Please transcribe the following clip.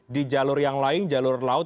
di jalur yang lain jalur laut